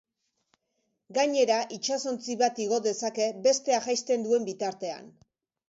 Gainera, itsasontzi bat igo dezake bestea jaisten duen bitartean.